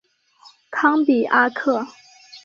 康比阿克。